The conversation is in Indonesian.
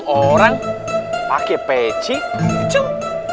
enam orang pakai pecik kecil